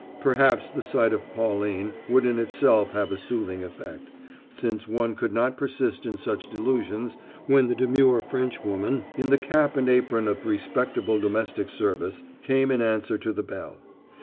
Perhaps the sight of Pauline would in itself have a soothing effect, since one could not persist in such delusions when the demure Frenchwoman, in the cap and apron of respectable domestic service, came in answer to the bell.